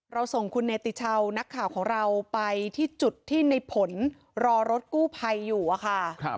เราส่งคุณเนติชาวนักข่าวของเราไปที่จุดที่ในผลรอรถกู้ภัยอยู่อะค่ะ